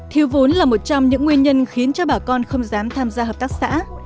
thiếu vốn là một trong những nguyên nhân khiến cho bà con không dám tham gia hợp tác xã